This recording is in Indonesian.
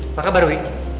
apa kabar dewi